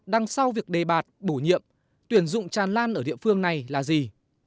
đằng sau việc đề bạt bổ nhiệm tuyển dụng tràn lan ở địa phương này là gì